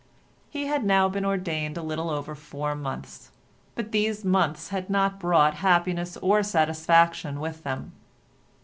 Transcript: He had now been ordained a little over four months, but these months had not brought happiness or satisfaction with them.